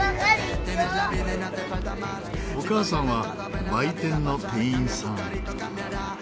お母さんは売店の店員さん。